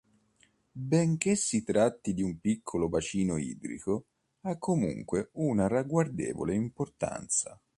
Benché si tratti di un piccolo bacino idrico, ha comunque una ragguardevole importanza.